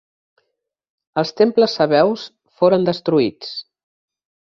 Els temples sabeus foren destruïts.